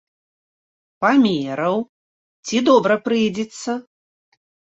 Памераў, ці добра прыйдзецца.